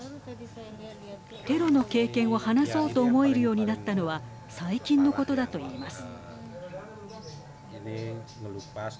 テロの経験を話そうと思えるようになったのは最近のことだといいます。